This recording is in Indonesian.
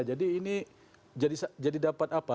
jadi ini jadi dapat apa